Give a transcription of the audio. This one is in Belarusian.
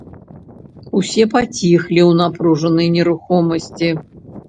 Усе паціхлі ў напружнай нерухомасці.